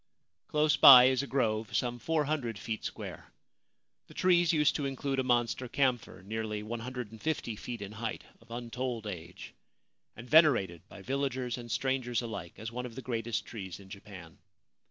Close by is a grove some 400 feet square. The trees used to include a monster camphor nearly 150 feet in height, of untold age, and venerated by villagers and strangers alike as one of the greatest trees in Japan.